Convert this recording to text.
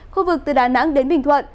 khu vực từ đà nẵng đến bình thuận